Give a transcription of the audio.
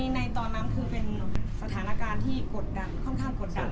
ในตอนนั้นคือเป็นสถานการณ์ที่กดดันค่อนข้างกดดัน